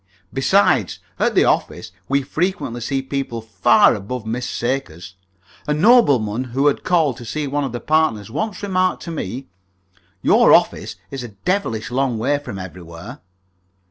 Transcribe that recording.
Besides, at the office we frequently see people far above Miss Sakers. A nobleman who had called to see one of the partners once remarked to me, "Your office is a devilish long way from everywhere!"